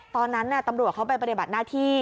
ตอนนั้นตำรวจเขาไปปฏิบัติหน้าที่